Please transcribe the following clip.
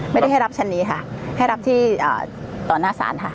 ไม่ได้ให้รับชั้นนี้ค่ะให้รับที่ต่อหน้าศาลค่ะ